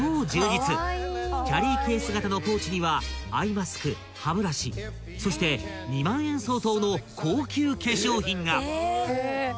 ［キャリーケース形のポーチにはアイマスク歯ブラシそして２万円相当の高級化粧品が］